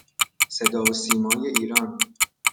صدا و سیمای ایران